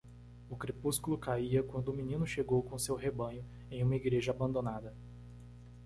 O crepúsculo caía quando o menino chegou com seu rebanho em uma igreja abandonada.